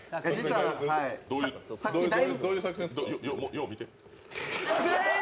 よう見て。